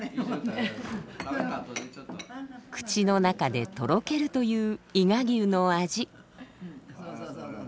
口の中でとろけるという伊賀牛の味。